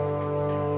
semua kakak jadi datang